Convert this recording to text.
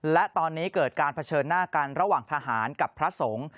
และตอนนี้เกิดการเผชิญหน้ากันระหว่างทหารกับพระสงฆ์